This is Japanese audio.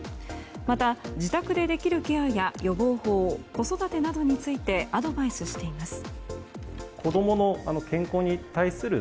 また、自宅でできるケアや予防法子育てなどについてアドバイスしています。